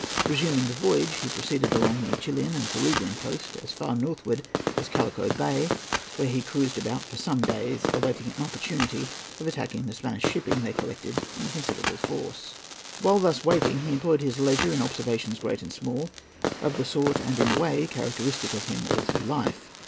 Resuming the voyage, he proceeded along the Chilian and Peruvian coast as far northward as Callao Bay, where he cruised about for some days, awaiting an opportunity of attacking the Spanish shipping there collected in considerable force. While thus waiting he employed his leisure in observations, great and small, of the sort and in the way characteristic of him all through life.